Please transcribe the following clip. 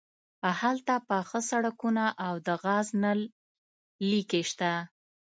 هلته پاخه سړکونه او د ګاز نل لیکې شته